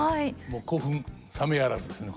もう興奮冷めやらずですね